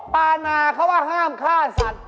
ปานาเขาว่าห้ามฆ่าสัตว์